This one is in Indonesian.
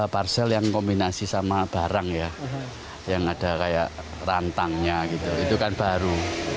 parsel yang kombinasi sama barang ya yang ada kayak rantangnya gitu itu kan baru